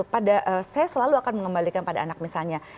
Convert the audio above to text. pada saya selalu akan mengembalikan pada anak misalnya